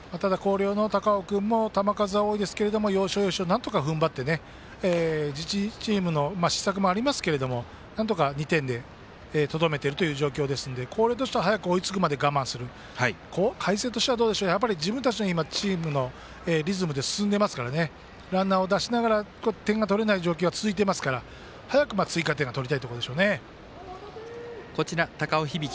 広陵の高尾君も球数は多いですが要所、要所なんとかふんばってチームの失策もありますがなんとか２点でとどめているという状況ですので広陵としては早く追いつくまで我慢する海星としては自分たちのリズムで進んでますからランナーを出しながら点を取れない状況が続いていますから、早く追加点がとりたいところでしょう。